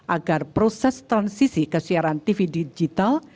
agar proses transisi kesiaran tv digital